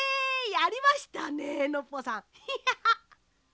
やりましたねノッポさん。